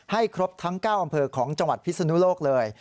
ครบทั้ง๙อำเภอของจังหวัดพิศนุโลกเลย